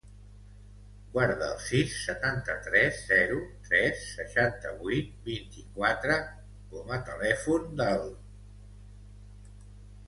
Guarda el sis, setanta-tres, zero, tres, seixanta-vuit, vint-i-quatre com a telèfon del Ziyad Selma.